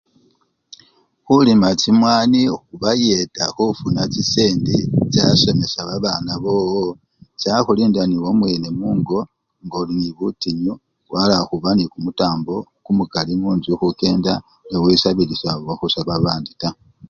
Khulima chimwani khubayeta khufuna chisendi chasomesya babana bowo chakhulinda newamwene mungo ngoli nende butinyu walakhuba nende kumutambo kumukali munjju khukenda newisabilisya webabandi taa.